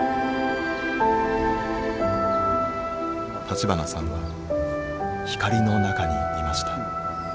立花さんは光の中にいました。